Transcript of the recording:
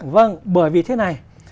vâng bởi vì thế này